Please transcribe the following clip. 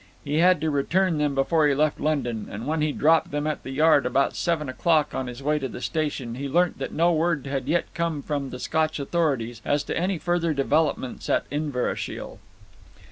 He had to return them before he left London, and when he dropped them at the Yard about seven o'clock, on his way to the station, he learnt that no word had yet come from the Scotch authorities as to any further developments at Inverashiel.